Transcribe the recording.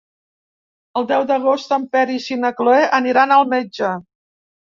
El deu d'agost en Peris i na Cloè aniran al metge.